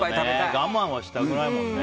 我慢はしたくないもんね。